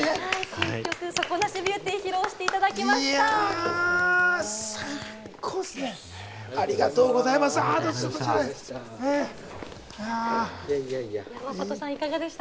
新曲『底無しビューティー』を披露していただきました！